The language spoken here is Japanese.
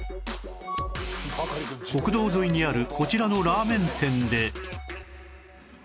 国道沿いにあるこちらのラーメン店で